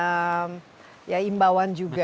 mungkin ada semacam ya imbauan juga